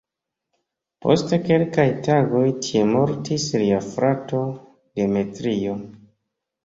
Post kelkaj tagoj tie mortis lia frato "Demetrio".